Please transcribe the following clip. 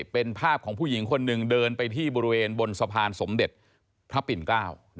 เป็นภาพของผู้หญิงคนหนึ่งเดินไปที่บริเวณบนสะพานสมเด็จพระปิ่นเกล้า